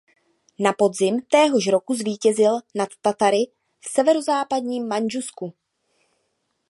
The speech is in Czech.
Na podzim téhož roku zvítězil nad Tatary v severozápadním Mandžusku.